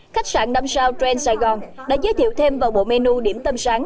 khách sạn năm sao trend saigon đã giới thiệu thêm vào bộ menu điểm tâm sáng